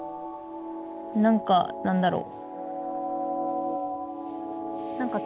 何か何だろう。